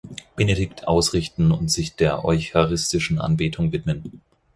Benedikt ausrichten und sich der Eucharistischen Anbetung widmen.